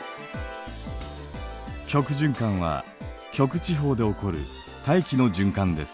極循環は極地方で起こる大気の循環です。